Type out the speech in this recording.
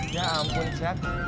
ya ampun jack